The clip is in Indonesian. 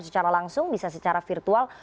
secara langsung bisa secara virtual